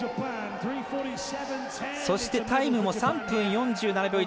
そしてタイムも３分４７秒１０。